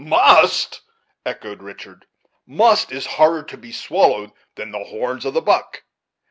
"Must!" echoed Richard; "must is harder to be swallowed than the horns of the buck."